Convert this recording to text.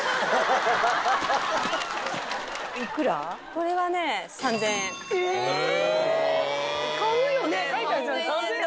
これはね、３０００円。